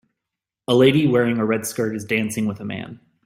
A lady wearing a red skirt is dancing with a man